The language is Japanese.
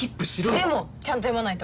でもちゃんと読まないと。